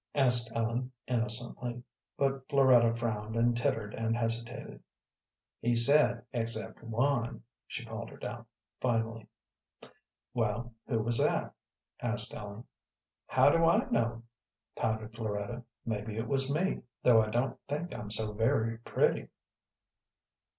asked Ellen, innocently. But Floretta frowned, and tittered, and hesitated. "He said except one," she faltered out, finally. "Well, who was that?" asked Ellen. "How do I know?" pouted Floretta. "Mebbe it was me, though I don't think I'm so very pretty."